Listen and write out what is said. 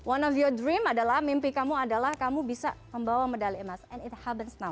one of your dream adalah mimpi kamu adalah kamu bisa membawa medali emas and it happens no